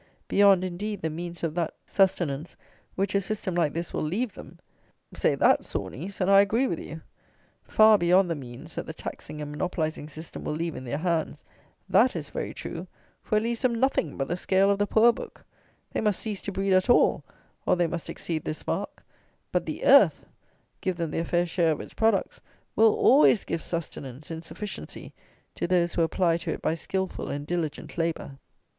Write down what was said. Beyond, indeed, the means of that sustenance which a system like this will leave them. Say that, Sawneys, and I agree with you. Far beyond the means that the taxing and monopolizing system will leave in their hands: that is very true; for it leaves them nothing but the scale of the poor book; they must cease to breed at all, or they must exceed this mark; but the earth, give them their fair share of its products, will always give sustenance in sufficiency to those who apply to it by skilful and diligent labour.